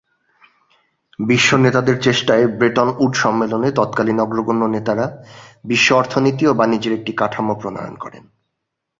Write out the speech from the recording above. বিশ্ব নেতাদের চেষ্টায় ব্রেটন উড সম্মেলনে তৎকালীন অগ্রগণ্য নেতারা বিশ্ব অর্থনীতি ও বাণিজ্যের একটি কাঠামো প্রণয়ন করেন।